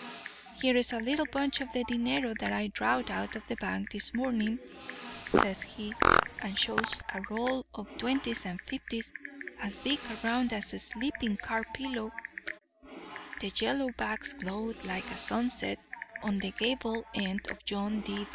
Here's a little bunch of the dinero that I drawed out of the bank this morning,' says he, and shows a roll of twenties and fifties as big around as a sleeping car pillow. The yellowbacks glowed like a sunset on the gable end of John D.